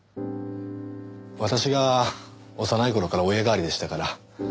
私が幼い頃から親代わりでしたから。